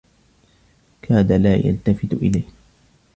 كاد لا يلتفت إليه.